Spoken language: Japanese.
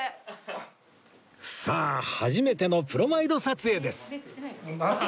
さあ初めてのプロマイド撮影です